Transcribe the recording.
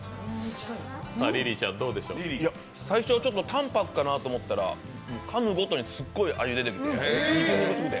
最初ちょっと淡白かなと思ったらかむごとにすっごいあゆ出てきて。